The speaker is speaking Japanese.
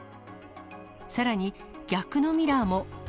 さらに逆のミラーも。